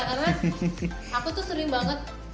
karena aku tuh sering banget